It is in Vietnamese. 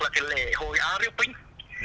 thì lễ hội a riu pinh